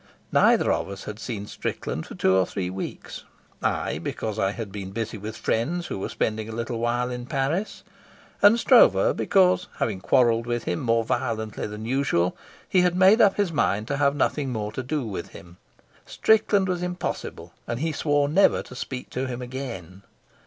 Neither of us had seen Strickland for two or three weeks I because I had been busy with friends who were spending a little while in Paris, and Stroeve because, having quarreled with him more violently than usual, he had made up his mind to have nothing more to do with him. Strickland was impossible, and he swore never to speak to him again.